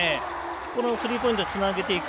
ここでスリーポイントつなげていく。